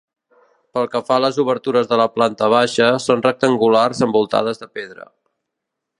Pel que fa a les obertures de la planta baixa, són rectangulars envoltades de pedra.